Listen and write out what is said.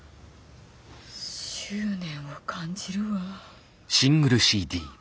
執念を感じるわ。